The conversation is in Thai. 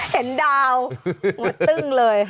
เห็นดาวหัวตึ้งเลย